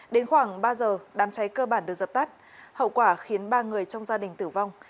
đến khoảng ba giờ đám cháy cơ bản được dập tắt hậu quả khiến ba người trong gia đình tử vong